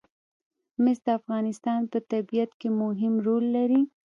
مس د افغانستان په طبیعت کې مهم رول لري.